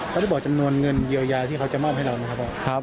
เขาได้บอกจำนวนเงินเยียวยาที่เขาจะมอบให้เรานะครับ